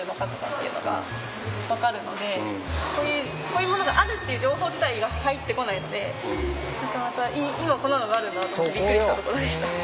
こういうものがあるっていう情報自体が入ってこないので今こんなのがあるんだなと思ってびっくりしたところでした。